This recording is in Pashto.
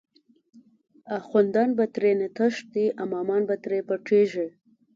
آخوندان به ترینه تښتی، امامان به تری پټیږی